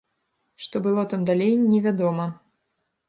Што было там далей, невядома.